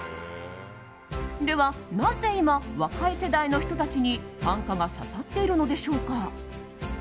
ではなぜ今、若い世代の人たちに短歌が刺さっているのでしょうか。